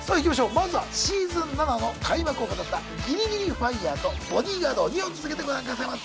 まずはシーズン７の開幕を飾った「ギリギリＦＩＲＥ」と「ボディーガード」を２本続けてご覧くださいませ。